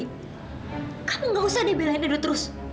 kamu nggak usah dibelain edo terus